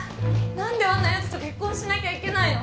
何であんなやつと結婚しなきゃいけないの！？